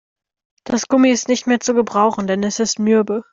Das Gummi ist nicht mehr zu gebrauchen, denn es ist mürbe.